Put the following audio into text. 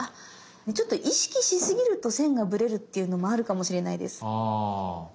ちょっと意識しすぎると線がブレるっていうのもあるかもしれないです。